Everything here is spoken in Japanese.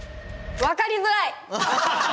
「わかりづらい」。